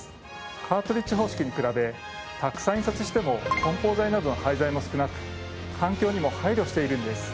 カートリッジ方式に比べたくさん印刷しても梱包材などの廃材も少なく環境にも配慮しているんです。